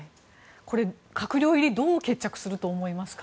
閣僚入りどう決着すると思いますか？